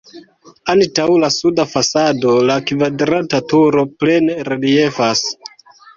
Antaŭ la suda fasado la kvadrata turo plene reliefas.